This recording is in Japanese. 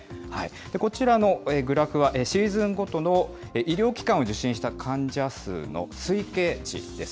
こちらのグラフは、シーズンごとの医療機関を受診した患者数の推計値です。